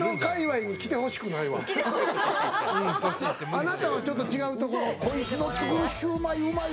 あなたはちょっと違うところ。